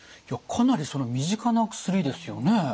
いやかなり身近な薬ですよね。